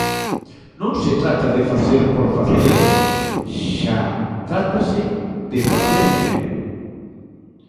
Non se trata de facer por facer xa, trátase de facer ben.